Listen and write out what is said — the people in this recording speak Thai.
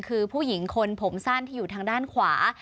คือผู้หญิงคนผมสั้นที่อยู่ทางด้านขวา